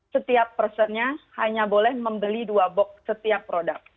setiap personnya hanya boleh membeli dua box setiap produk